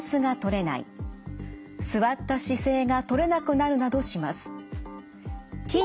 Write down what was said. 座った姿勢がとれなくなるなどします。